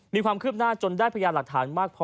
มีความคืบหน้าจนได้พยานหลักฐานมากพอ